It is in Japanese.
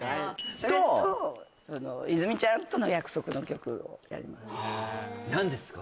それとその泉水ちゃんとの約束の曲をやります何ですか？